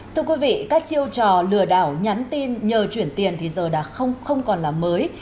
thưa quý vị các chiêu trò lừa đảo nhắn tin nhờ chuyển tiền thì giờ đã không còn là mới